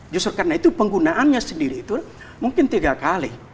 justru karena itu penggunaannya sendiri itu mungkin tiga kali